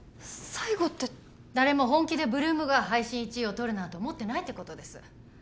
最後って誰も本気で８ＬＯＯＭが配信１位をとるなんて思ってないってことです